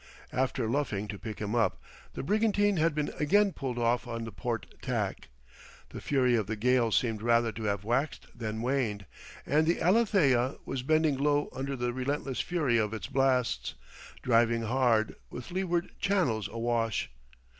After luffing to pick him up, the brigantine had been again pulled off on the port tack. The fury of the gale seemed rather to have waxed than waned, and the Alethea was bending low under the relentless fury of its blasts, driving hard, with leeward channels awash.